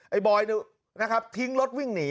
บอยนะครับทิ้งรถวิ่งหนี